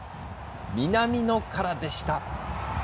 南野からでした。